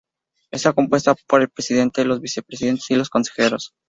Está compuesta por el presidente, los vicepresidentes y los consejeros.